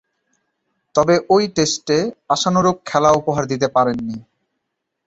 তবে ঐ টেস্টে আশানুরূপ খেলা উপহার দিতে পারেননি।